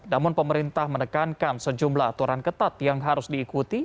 namun pemerintah menekankan sejumlah aturan ketat yang harus diikuti